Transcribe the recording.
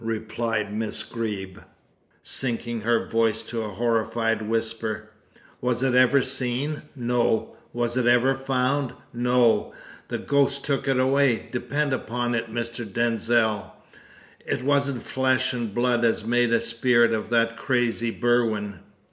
replied Miss Greeb, sinking her voice to a horrified whisper. "Was it ever seen? No! Was it ever found? No! The ghost took it away. Depend upon it, Mr. Denzil, it wasn't flesh and blood as made a spirit of that crazy Berwin."